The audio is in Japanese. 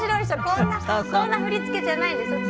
こんな振り付けじゃないんですよ。